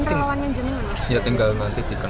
berubah pendapat itu